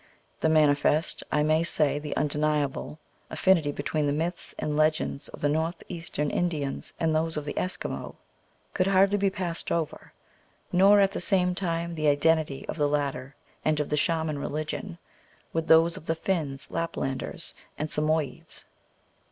The manifest, I may say the undeniable, affinity between the myths and legends of the Northeastern Indians and those of the Eskimo could hardly be passed over, nor at the same time the identity of the latter and of the Shaman religion with those of the Finns, Laplanders, and Samoyedes.